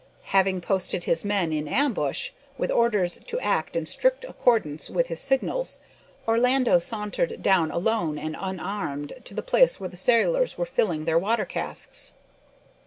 Having posted his men in ambush, with orders to act in strict accordance with his signals, Orlando sauntered down alone and unarmed to the place where the sailors were filling their water casks.